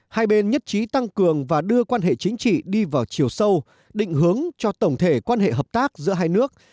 hai bên nhất trí tăng cường và đưa quan hệ chính trị đi vào chiều sâu định hướng cho tổng thể quan hệ hợp tác giữa hai nước